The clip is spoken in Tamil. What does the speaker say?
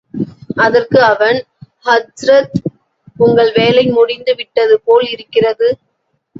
அதற்கு அவன் ஹஜ்ரத், உங்கள் வேலை முடிந்து விட்டது போல் இருககிறது.